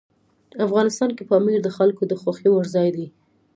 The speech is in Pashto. افغانستان کې پامیر د خلکو د خوښې وړ ځای دی.